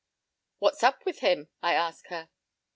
p> "'What's up with him?' I ask her.